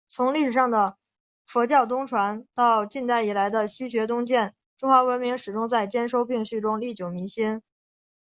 从历史上的佛教东传……到近代以来的“西学东渐”……中华文明始终在兼收并蓄中历久弥新。